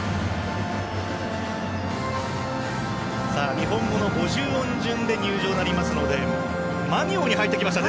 日本語の五十音順で入場になりますのでま行に入ってきました。